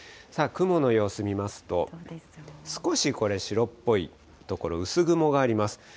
雲の様子見ますと、少しこれ、白っぽい所、薄雲があります。